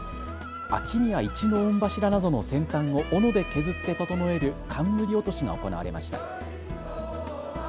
秋宮一の御柱などの先端をおので削って整える冠落しが行われました。